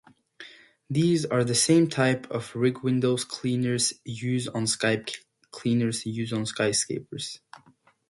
These are the same type of rig window cleaners use on skyscrapers.